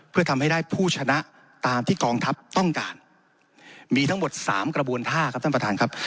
เพื่อทำให้ได้ผู้ชนะตามที่กองทัพต้องการมีทั้งหมดสามกระบวนท่าครับท่านประธานครับ